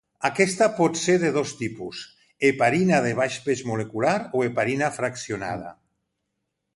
Aquesta pot ser de dos tipus: heparina de baix pes molecular o heparina fraccionada.